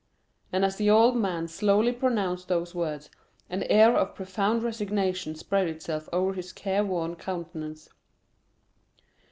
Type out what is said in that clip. And as the old man slowly pronounced those words, an air of profound resignation spread itself over his careworn countenance.